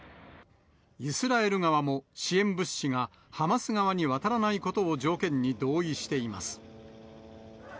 イスラエル側も支援物資がハマス側に渡らないことを条件に、同意しています。